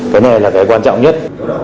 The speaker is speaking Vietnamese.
cái này là cái quan trọng nhất